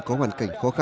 có hoàn cảnh khó khăn